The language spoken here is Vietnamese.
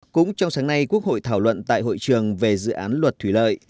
cũng trong sáng nay quốc hội thảo luận tại hội trường về dự án luật thủy lợi